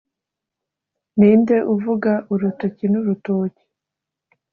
ninde uvuga urutoki n'urutoki,